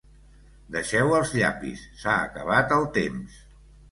Deixeu els llapis, s'ha acabat el temps.